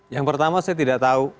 yang pertama saya tidak tahu